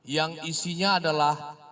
yang isinya adalah